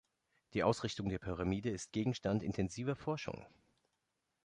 Die Ausrichtung der Pyramide ist Gegenstand intensiver Forschung.